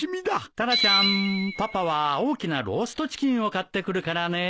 タラちゃんパパは大きなローストチキンを買ってくるからね。